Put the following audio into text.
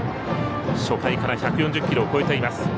初回から１４０キロを超えています。